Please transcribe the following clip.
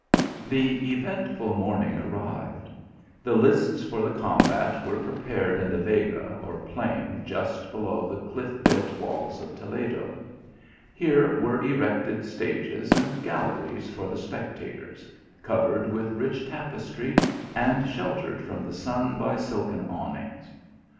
The eventful morning arrived. The lists for the combat were prepared in the Vega or plain just below the cliff built walls of Toledo. Here were erected stages and galleries for the spectators, cov ered with rich tapestry and sheltered from the sun by silken awnings.